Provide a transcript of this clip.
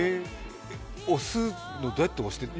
押すの、どうやって押すの？